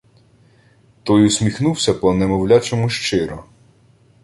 Той усміхнувся по-немовлячому щиро.